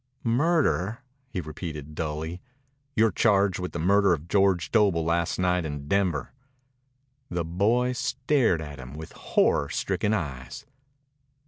"Murder," he repeated dully. "You're charged with the murder of George Doble last night in Denver." The boy stared at him with horror stricken eyes.